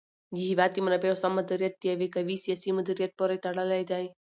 د هېواد د منابعو سم مدیریت د یو قوي سیاسي مدیریت پورې تړلی دی.